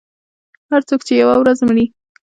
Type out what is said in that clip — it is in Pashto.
• هر څوک چې یوه ورځ مري.